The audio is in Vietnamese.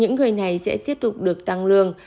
những người này sẽ tiếp tục được tăng lương